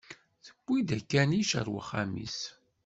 Tewwi-d akanic ar wexxam-is.